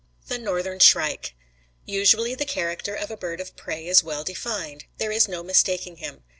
THE NORTHERN SHRIKE Usually the character of a bird of prey is well defined; there is no mistaking him.